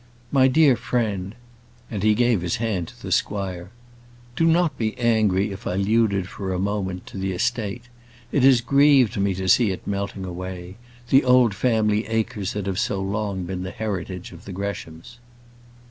My dear friend " and he gave his hand to the squire "do not be angry if I alluded for a moment to the estate. It has grieved me to see it melting away the old family acres that have so long been the heritage of the Greshams."